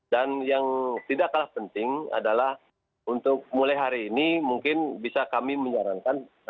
dan yang tidak kalah penting adalah untuk mulai hari ini mungkin bisa kami menyarankan